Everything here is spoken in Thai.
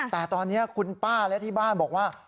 แต่ตอนนี้คุณป้าและที่บ้านบอกว่า